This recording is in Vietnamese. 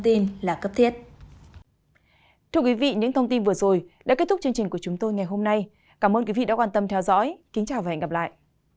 thưa quý vị những thông tin vừa rồi đã kết thúc chương trình của chúng tôi ngày hôm nay cảm ơn quý vị đã quan tâm theo dõi kính chào và hẹn gặp lại